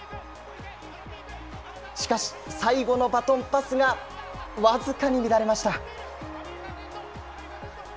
しかし、最後のバトンパスが僅かに乱れました。